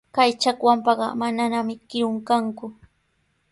Kay chakwanpaqa mananami kirun kanku.